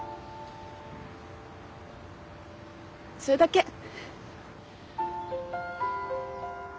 それだけ。